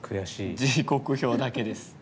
時刻表だけです。